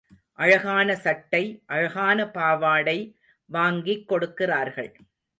அழகான சட்டை, அழகான பாவாடை வாங்கிக் கொடுக்கிறார்கள்.